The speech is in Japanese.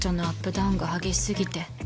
ダウンが激しすぎて